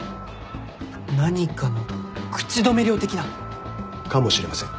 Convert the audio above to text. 何かの口止め料的な？かもしれません。